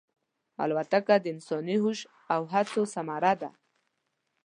الوتکه د انساني هوش او هڅو ثمره ده.